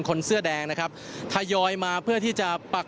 คนเสื้อแดงนะครับทยอยมาเพื่อที่จะปัก